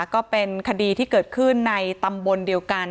ก็เป็นคดีที่เกิดขึ้นในตำบลเดียวกัน